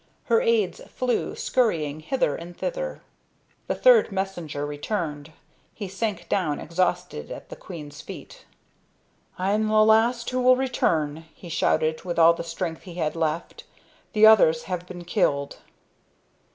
Her aides flew scurrying hither and thither. The third messenger returned. He sank down exhausted at the queen's feet. "I am the last who will return," he shouted with all the strength he had left. "The others have been killed."